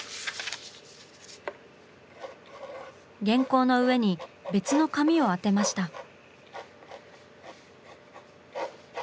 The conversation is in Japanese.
原稿の上に別の紙を当てました。